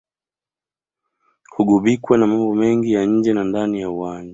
hugubikwa na mambo mengi ya nje na ndani ya uwanja